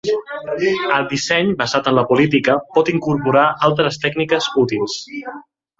El disseny basat en la política pot incorporar altres tècniques útils.